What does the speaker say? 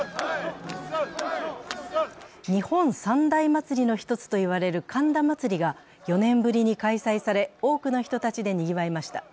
日本三大祭の１つと言われる神田祭が４年ぶりに開催され、多くの人でにぎわいました。